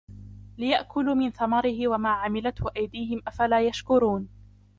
لِيَأْكُلُوا مِنْ ثَمَرِهِ وَمَا عَمِلَتْهُ أَيْدِيهِمْ أَفَلَا يَشْكُرُونَ